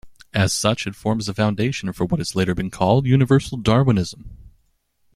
As such, it forms a foundation for what has later been called universal Darwinism.